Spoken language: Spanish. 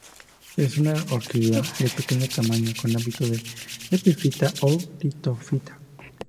Es una orquídea de pequeño tamaño con hábitos de epifita o litofita.